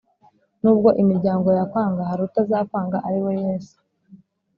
Nubwo imiryango yakwanga hari utazakwanga ariwe yesu